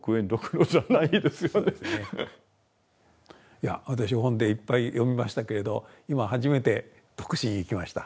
いや私本でいっぱい読みましたけれど今初めて得心いきました。